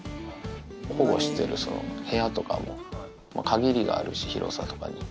保護してる部屋とかも限りがあるし、広さとかに。